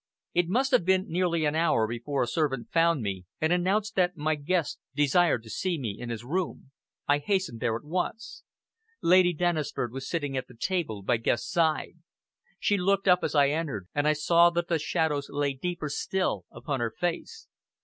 It must have been nearly an hour before a servant found me, and announced that my guest desired to see me in his room. I hastened there at once. Lady Dennisford was sitting at the table by Guest's side. She looked up as I entered, and I saw that the shadows lay deeper still upon her face.